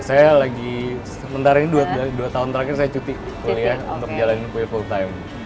saya lagi sementara ini dua tahun terakhir saya cuti kuliah untuk jalanin kue full time